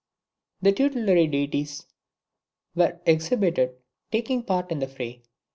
The tutelary deities were exhibited taking part in the fray.